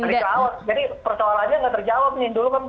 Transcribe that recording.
jadi persoalannya nggak terjawab nih dulu kan